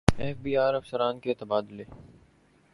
F B R افسران کے تبادلے